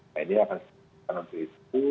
nah ini akan untuk itu